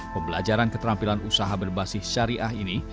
pembelajaran keterampilan usaha berbasis syariah ini